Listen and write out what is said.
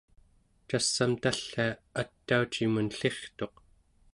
cass'am tallia ataucimun ellirtuq